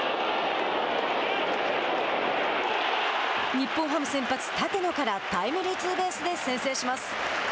日本ハム先発、立野からタイムリーツーベースで先制します。